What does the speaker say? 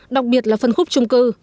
đặc biệt là phân khúc chung cư